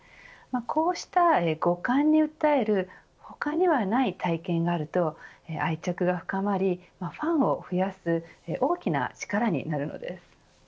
こうした、五感に訴える他にはない体験があると愛着が深まりファンを増やす大きな力になるんです。